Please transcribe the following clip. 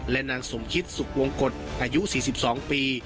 และนางสมคิดสุขวงกฎอายุ๔๒ปี